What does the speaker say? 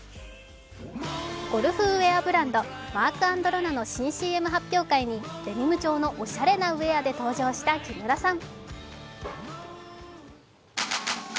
ゴルフウェアブランド、ＭＡＲＫ＆ＬＯＮＡの新ＣＭ発表会に登場したデニム調のおしゃれなウェアで登場した木村さん。